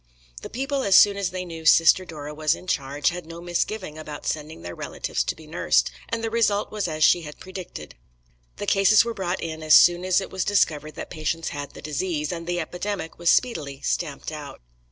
"The people as soon as they knew Sister Dora was in charge, had no misgiving about sending their relatives to be nursed, and the result was as she had predicted; the cases were brought in as soon as it was discovered that patients had the disease, and the epidemic was speedily stamped out."